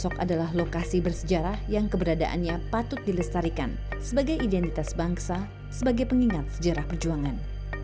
dan itu adalah lokasi bersejarah yang keberadaannya patut dilestarikan sebagai identitas bangsa sebagai pengingat sejarah perjuangan